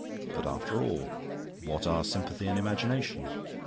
But, after all, what are sympathy and imagination?